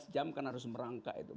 lima belas jam karena harus merangkak itu